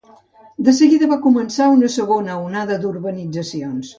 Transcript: De seguida va començar una segona onada d'urbanitzacions.